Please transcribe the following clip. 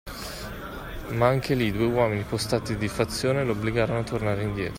Ma anche lì due uomini postati di fazione lo obbligarono a tornare in dietro.